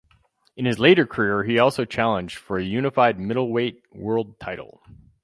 In his later career he also challenged for a unified middleweight world title.